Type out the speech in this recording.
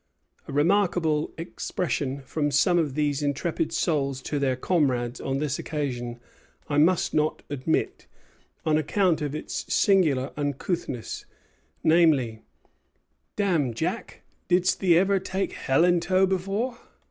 A remarkable expression from some of these intrepid souls to their comrades on this occasion I must not omit, on account of its singular uncouthness; namely: 'Damme, Jack, didst thee ever take hell in tow before?'"